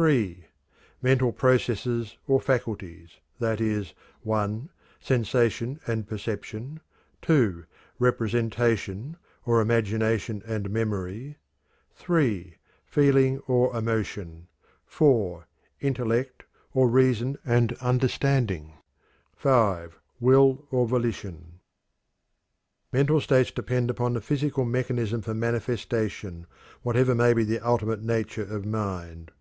III. Mental processes or faculties, i.e., (1) Sensation and Perception; (2) Representation, or Imagination and Memory; (3) Feeling or Emotion; (4) Intellect, or Reason and Understanding; (5) Will or Volition. Mental states depend upon the physical mechanism for manifestation, whatever may be the ultimate nature of mind.